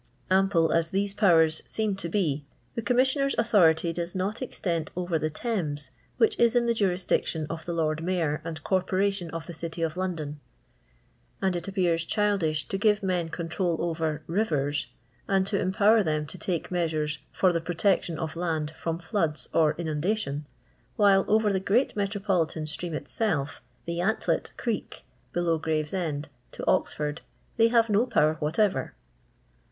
Ample as these powers seem to be, the (Commissioners' authority docs not extend over the Thames, which is in the jurisdiction of the Lord Mayor and Corporation of the City of London ; and i: appears childi&h to gire men control orer " rivers," and to empower them to take measuei " for the protection of ]MrA from floods or inui dation, while over the great metropolitan stream itself, from Tontlet Creek, below GraTeaend^ to Oxford, they have no power whatever.